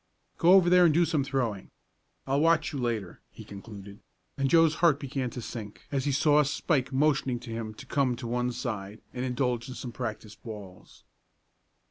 "Go over there and do some throwing, I'll watch you later," he concluded, and Joe's heart began to sink as he saw Spike motioning to him to come to one side and indulge in some practice balls.